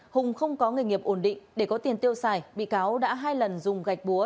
hùng không có nghề nghiệp ổn định để có tiền tiêu xài bị cáo đã hai lần dùng gạch búa